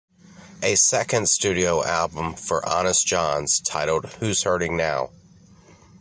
A second studio album for Honest Jon's, titled Who's Hurting Now?